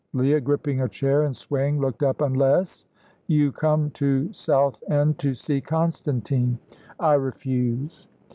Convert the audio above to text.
Leah, gripping a chair and swaying, looked up. "Unless?" "You come to Southend to see Constantine." "I refuse."